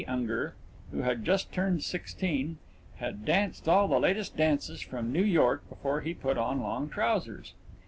Unger, who had just turned sixteen, had danced all the latest dances from New York before he put on long trousers.